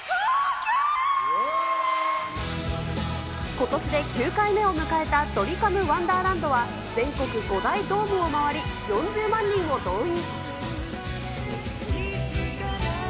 ことしで９回目を迎えたドリカムワンダーランドは、全国５大ドームを回り、４０万人を動員。